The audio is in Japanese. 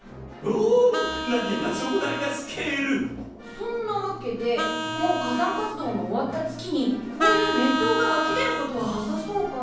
そんなわけでもう火山活動の終わった月にこういう熱湯がわき出ることはなさそうかな。